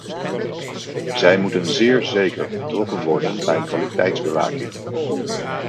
Zij moeten zeer zeker betrokken worden bij kwaliteitsbewaking.